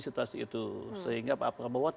situasi itu sehingga pak prabowo